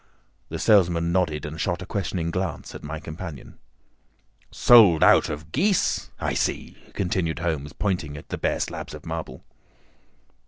The salesman nodded and shot a questioning glance at my companion. "Sold out of geese, I see," continued Holmes, pointing at the bare slabs of marble.